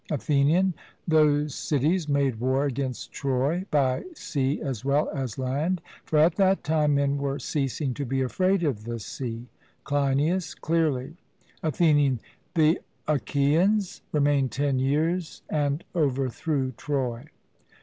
ATHENIAN: Those cities made war against Troy by sea as well as land for at that time men were ceasing to be afraid of the sea. CLEINIAS: Clearly. ATHENIAN: The Achaeans remained ten years, and overthrew Troy.